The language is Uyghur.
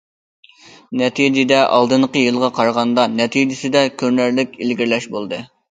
نەتىجىدە، ئالدىنقى يىلىغا قارىغاندا نەتىجىسىدە كۆرۈنەرلىك ئىلگىرىلەش بولدى.